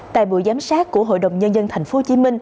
tại buổi giám sát của hội đồng nhân dân tp hcm